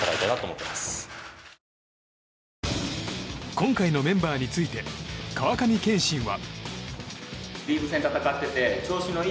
今回のメンバーについて川上憲伸は。